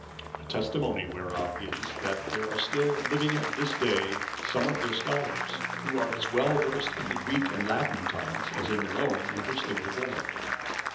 A testimony whereof is, that there are still living at this day some of their scholars, who are as well versed in the Greek and Latin tongues as in their own, in which they were born.